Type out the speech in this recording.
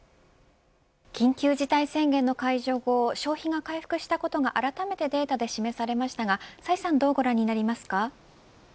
緊急事態宣言の解除後消費が回復したことがあらためてデータで示されましたが崔さん、どうご覧になりますか。